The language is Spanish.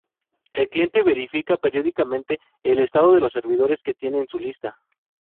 El cliente verifica periódicamente el estado de los servidores que tiene en su lista.